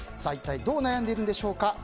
一体どう悩んでいるんでしょうか。